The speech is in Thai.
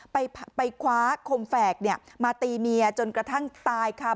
ไปคว้าคมแฝกเนี่ยมาตีเมียจนกระทั่งตายค่ะ